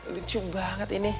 lucu banget ini